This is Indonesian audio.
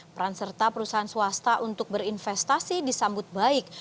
peran serta perusahaan swasta untuk berinvestasi disambut baik